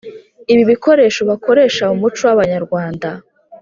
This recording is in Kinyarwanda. ibi bikoresho bakoresha mu muco w’abanyarwanda.